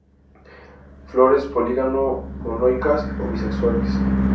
Flores polígamo-monoicas o bisexuales.